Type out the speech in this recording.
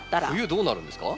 冬どうなるんですか？